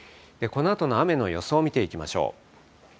このあとの雨の予想見ていきましょう。